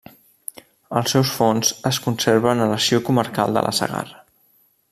Els seus fons es conserven a l'Arxiu Comarcal de la Segarra.